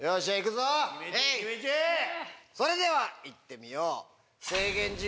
それでは行ってみよう！